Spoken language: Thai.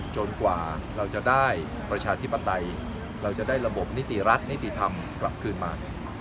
กว่าเราจะได้ประชาธิปไตยเราจะได้ระบบนิติรัฐนิติธรรมกลับคืนมา